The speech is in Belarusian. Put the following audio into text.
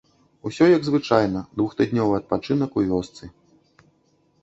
Усё як звычайна, двухтыднёвы адпачынак у вёсцы.